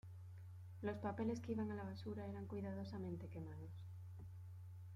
Los papeles que iban a la basura eran cuidadosamente quemados.